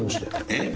えっ？